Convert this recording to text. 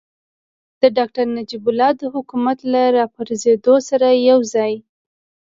د ډاکتر نجیب الله د حکومت له راپرځېدو سره یوځای.